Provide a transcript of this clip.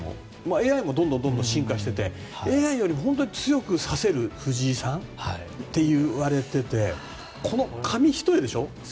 ＡＩもどんどん進化してますがＡＩより本当に強くさせる藤井さんって言われていて紙一重でしょ？